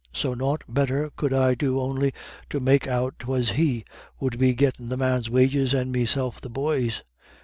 "So nought better could I do on'y to make out 'twas he would be gettin' the man's wages, and meself the boy's.